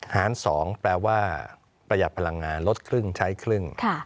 หาร๒แปลว่าประหยัดพลังงานลดครึ่งใช้ครึ่ง